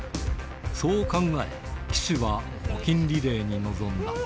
そう考え、岸は募金リレーに臨んだ。